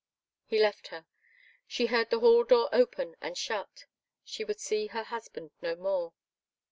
He left her. She heard the hall door open and shut. She would see her husband no more.